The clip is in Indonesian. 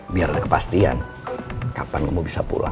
biar ada kepastian kapan kamu bisa pulang